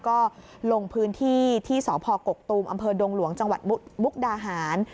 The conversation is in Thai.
ก็ลงพื้นที่ที่สพกกตูมอำเภอดงหลวงจังหวัดมุกดาหาร